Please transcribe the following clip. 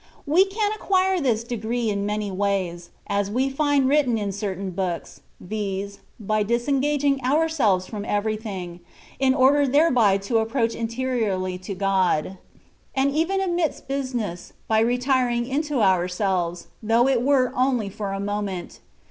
We can acquire this degree in many ways, as we find written in certain books, viz., by dis engaging ourselves from everything, in order thereby to approach interiorly to God ; and even amidst business, by retiring into ourselves, though it were only for a moment.